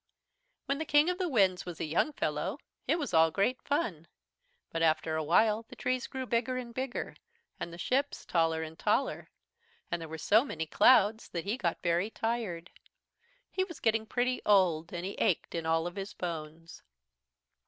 "When the King of the Winds was a young fellow, it was all great fun. But after a while the trees grew bigger and bigger, and the ships taller and taller, and there were so many clouds that he got very tired. He was getting pretty old and he ached in all of his bones.